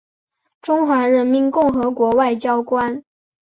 中华人民共和国外交官。